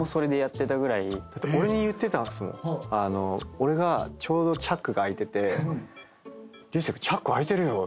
俺がちょうどチャックが開いてて「竜星君チャック開いてるよ」